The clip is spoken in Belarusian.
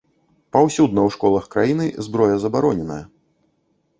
Паўсюдна ў школах краіны зброя забароненая.